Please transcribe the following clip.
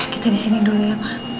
kita disini dulu ya mbak